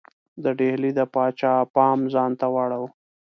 د ډهلي د پاچا پام ځانته واړاوه.